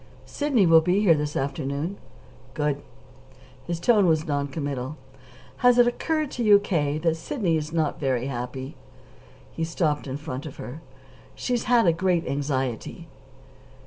"Sidney will be here this afternoon." "Good." His tone was non committal. "Has it occurred to you, K., that Sidney is not very happy?" He stopped in front of her. "She's had a great anxiety."